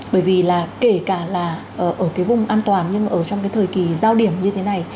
bởi vì là kể cả là ở cái vùng an toàn nhưng mà ở trong cái thời kỳ giao điểm như thế này